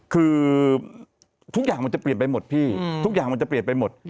คือทุกอย่างมันจะเปลี่ยนไปหมดพี่ทุกอย่างมันจะเปลี่ยนไปหมด